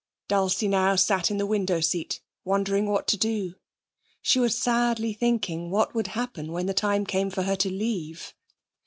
Dulcie now sat in the window seat, wondering what to do. She was sadly thinking what would happen when the time came for her to leave.